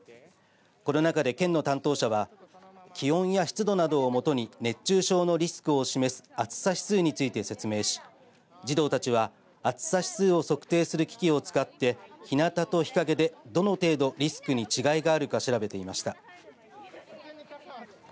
この中で、県の担当者は気温や湿度などを基に熱中症のリスクを示す暑さ指数について説明し児童たちは暑さ指数を測定する機器を使ってひなたと日陰で、どの程度リスクに違いがあるか調べていました。